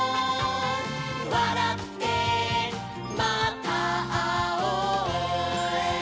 「わらってまたあおう」